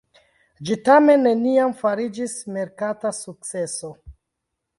Ĝi tamen neniam fariĝis merkata sukceso.